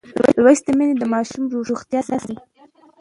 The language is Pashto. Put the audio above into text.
لوستې میندې د ماشوم روغتیا څاري.